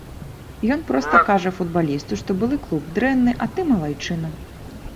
Ён проста кажа футбалісту, што былы клуб дрэнны, а ты малайчына.